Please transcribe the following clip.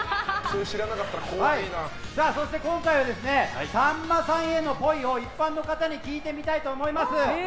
そして今回はさんまさんへのぽいを一般の方に聞いてみたいと思います。